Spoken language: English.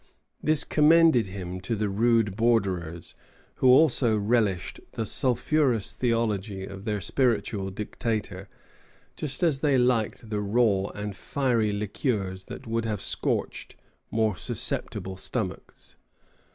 This commended him to the rude borderers, who also relished the sulphurous theology of their spiritual dictator, just as they liked the raw and fiery liquors that would have scorched more susceptible stomachs.